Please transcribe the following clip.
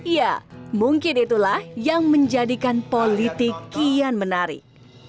ya mungkin itulah yang menjadikan politik kian menarik